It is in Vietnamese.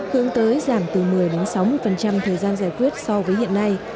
từ một mươi đến sáu mươi thời gian giải quyết so với hiện nay